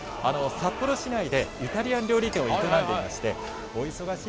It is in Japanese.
札幌市内でイタリアン料理店を営んでいます。